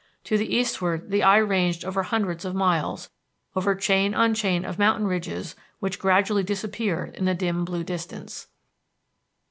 To the eastward the eye ranged over hundreds of miles, over chain on chain of mountain ridges which gradually disappeared in the dim blue distance."